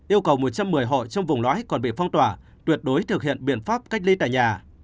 yêu cầu một trăm một mươi hộ trong vùng lõi còn bị phong tỏa tuyệt đối thực hiện biện pháp cách ly tại nhà